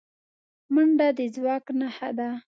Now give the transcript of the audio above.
منډه د ځواک نښه ده